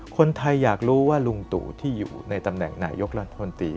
คนไทยอยากรู้ว่าลุงตู่ที่อยู่ในตำแหน่งนายกรัฐมนตรี